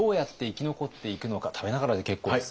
食べながらで結構です。